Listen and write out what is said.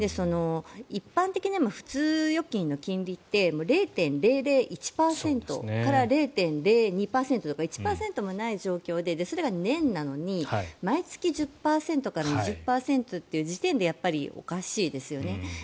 一般的にも普通預金の金利って０．００１％から０．００２％とか１％もない状況でそれは年なのに毎月１０％から２０％という時点でやっぱりおかしいですよね。